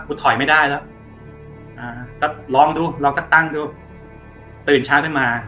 ถอยไม่ได้แล้วก็ลองดูลองสักตั้งดูตื่นเช้าขึ้นมา